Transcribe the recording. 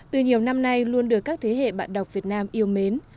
từ nhiều năm nay luôn được các thế hệ bạn đọc việt nam yêu mến